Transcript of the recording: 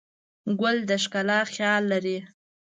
ګل د ښکلا خیال لري.